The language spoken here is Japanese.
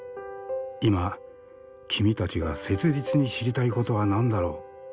今君たちが切実に知りたいことは何だろう？